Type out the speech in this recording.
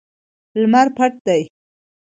لمر پټ دی